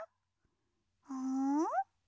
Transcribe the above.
うん？